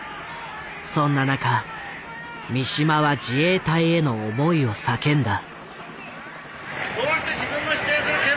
そんな中三島は自衛隊への思いを叫んだ。